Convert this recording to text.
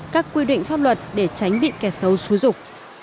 các quy định pháp luật để tránh bị kẻ xấu xúi rục